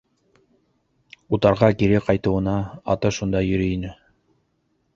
Утарға кире ҡайтыуына, аты шунда йөрөй ине.